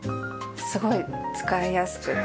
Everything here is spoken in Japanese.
すごい使いやすくて。